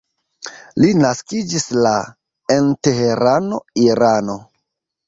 Li naskiĝis la en Teherano, Irano.